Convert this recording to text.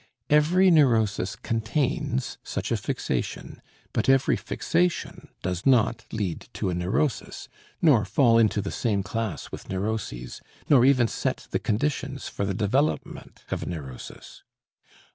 Every neurosis contains such a fixation, but every fixation does not lead to a neurosis, nor fall into the same class with neuroses, nor even set the conditions for the development of a neurosis.